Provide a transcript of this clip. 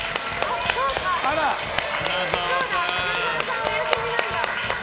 花澤さんお休みなんだ。